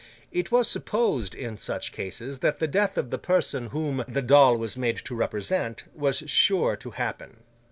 It was supposed, in such cases, that the death of the person whom the doll was made to represent, was sure to happen.